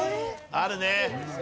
あるね。